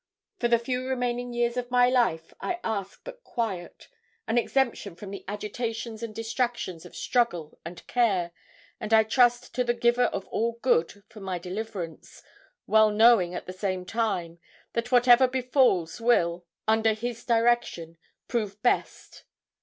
For the few remaining years of my life I ask but quiet an exemption from the agitations and distractions of struggle and care, and I trust to the Giver of all Good for my deliverance well knowing, at the same time, that whatever befalls will, under His direction, prove best.